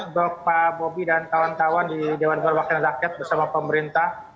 bapak bobi dan kawan kawan di dewan perwakilan rakyat bersama pemerintah